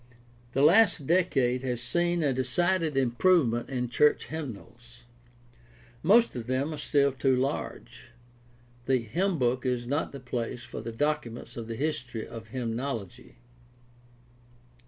— The last decade has seen a decided improvement in church hymnals. Most of them are still too large. The hymnbook is not the place for the documents of the history of hjannology.